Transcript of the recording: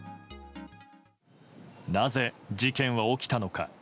なぜ、事件は起きたのか。